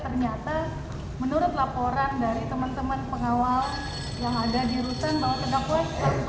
ternyata menurut laporan dari teman teman pengawal yang ada di rutan bahwa terdakwa